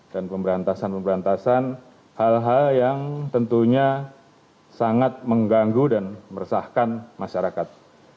dan pemberantasan pemberantasan hal hal yang tentunya sangat mengganggu dan meresahkan masyarakat